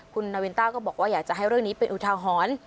คุณนาวินต้าก็บอกว่าอยากจะให้เรื่องนี้เป็นอุทาหรณ์